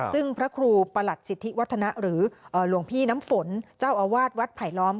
ซึ่งพระครูประหลัดสิทธิวัฒนะหรือหลวงพี่น้ำฝนเจ้าอาวาสวัดไผลล้อม